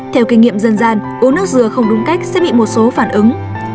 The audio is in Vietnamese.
theo kinh nghiệm dân gian uống nước dừa không đúng cách sẽ bị một số phản ứng